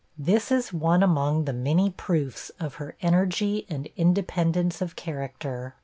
This is one among the many proofs of her energy and independence of character.